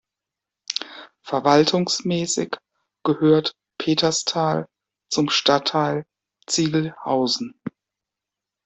Verwaltungsmäßig gehört Peterstal zum Stadtteil Ziegelhausen.